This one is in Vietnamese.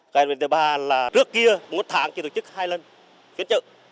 cái thứ ba là trước kia một tháng chỉ tổ chức hai lần phiên chợ